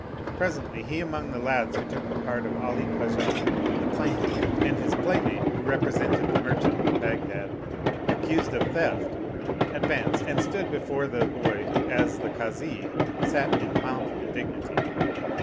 Presently, he among the lads who took the part of Ali Khwajah the plain tiff and his playmate who represented the merchant of Baghdad accused of theft, advanced and stood before the boy who as the Kazi sat in pomp and dignity.